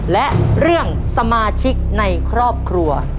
และเรื่องสมาชิกในครอบครัว